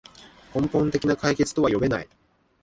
根本的な解決とは呼べない